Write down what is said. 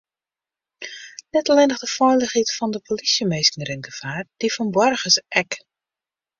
Net allinnich de feilichheid fan de polysjeminsken rint gefaar, dy fan boargers ek.